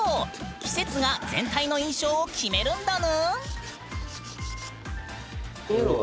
季節が全体の印象を決めるんだぬん！